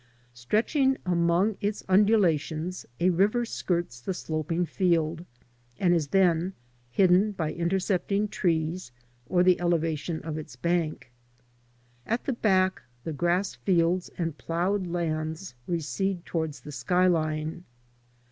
Stretching among its undulations, a river skirts the sloping field and is then hidden by intercepting trees or the elevation of its bank. At the back, the grass fields and ploughed lands recede towards the sky line.